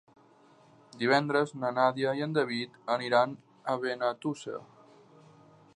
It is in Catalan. Divendres na Nàdia i en David aniran a Benetússer.